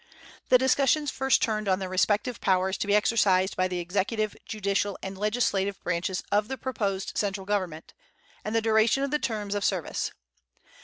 The discussions first turned on the respective powers to be exercised by the executive, judicial, and legislative branches of the proposed central government, and the duration of the terms of service.